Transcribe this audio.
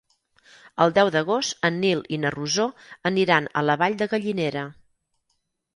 El deu d'agost en Nil i na Rosó aniran a la Vall de Gallinera.